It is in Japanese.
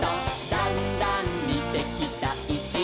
「だんだんにてきたいしがきに」